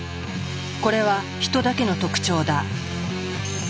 これはヒトだけの特徴だ。